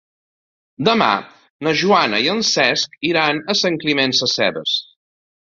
Demà na Joana i en Cesc iran a Sant Climent Sescebes.